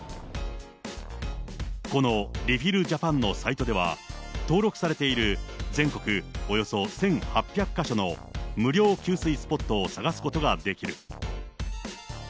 このレフィルジャパンのサイトでは、登録されている全国およそ１８００か所の無料給水スポットを探すことができる。